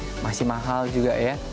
data itu juga masih mahal juga ya